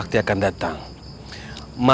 sepertinya tuan sakti sedang melamun